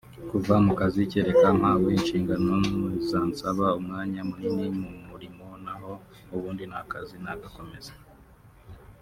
kuva mu kazi kereka mpawe inshingano zansaba umwanya munini mu murimo naho ubundi n’akazi nagakomeza